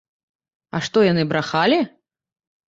А што яны брахалі?